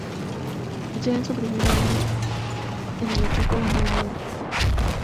Ya en su primer año en el equipo ganó la Liga.